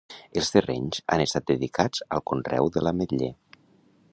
Els terrenys han estat dedicats al conreu de l'ametler.